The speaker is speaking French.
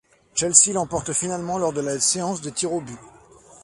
Chelsea l'emporte finalement lors de la séance de tirs aux but.